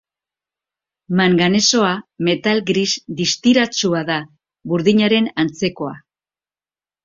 Manganesoa metal gris distiratsua da, burdinaren antzekoa.